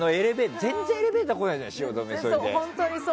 全然エレベーター来ないじゃない汐留って。